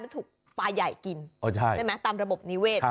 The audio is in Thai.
มันถูกปลาใหญ่กินใช่ไหมตามระบบนิเวศ